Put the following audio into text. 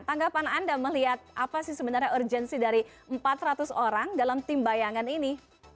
tanggapan anda melihat apa sih sebenarnya urgensi dari empat ratus orang dalam tim bayangan ini